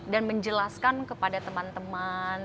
dan menjelaskan kepada teman teman